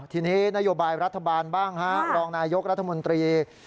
ทีนี้นโยบายรัฐบาลบ้างฮะรองนายกรัฐมนตรี